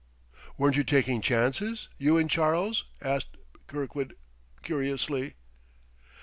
"Weren't you taking chances, you and Charles?" asked Kirkwood curiously.